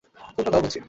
ফোনটা দাও বলছি!